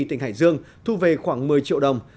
tỉnh hải dương thu về khoảng một mươi triệu đồng